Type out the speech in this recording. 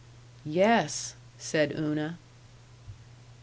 "Yes," said Una.